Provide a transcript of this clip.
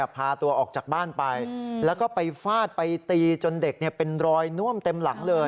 พาตัวออกจากบ้านไปแล้วก็ไปฟาดไปตีจนเด็กเป็นรอยน่วมเต็มหลังเลย